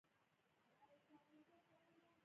ایس میکس په غوسه وویل